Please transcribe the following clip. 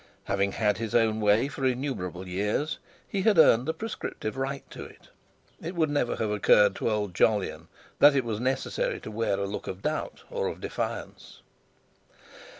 Having had his own way for innumerable years, he had earned a prescriptive right to it. It would never have occurred to old Jolyon that it was necessary to wear a look of doubt or of defiance.